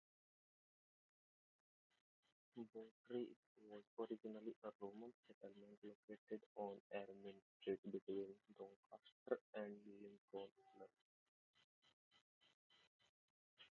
Bawtry was originally a Roman settlement located on Ermine Street between Doncaster and Lincoln.